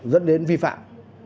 dẫn đến vi phạm